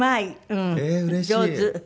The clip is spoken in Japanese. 上手。